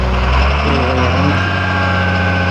I wii rana.